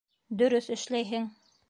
Дөрөҫ эшләйһең.